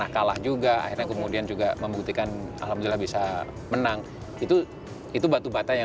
kalah juga akhirnya kemudian juga membuktikan alhamdulillah bisa menang itu itu batu bata yang